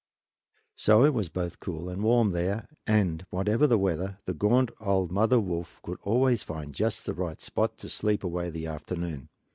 So it was both cool and warm there, and whatever the weather the gaunt old mother wolf could always find just the right spot to sleep away the afternoon.